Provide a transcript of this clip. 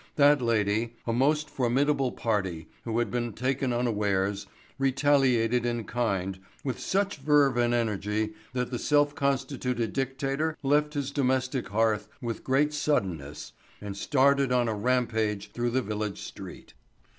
That lady, a most formidable party who had been taken unawares, retaliated in kind with such verve and energy that the self constituted dictator left his domestic hearth with great suddenness and started on the rampage through the village street.